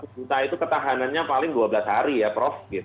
satu juta itu ketahanannya paling dua belas hari ya prof